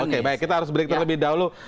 oke baik kita harus berikutan lebih dahulu